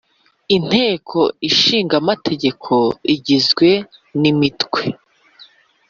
Inteko Ishinga Amategeko igizwe n Imitwe